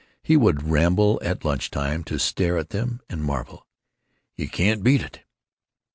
He would ramble in at lunch time to stare at them and marvel, "You can't beat it!"